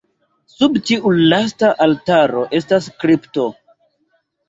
Sub tiu lasta altaro estas kripto.